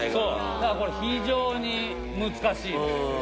だからこれ非常に難しいです。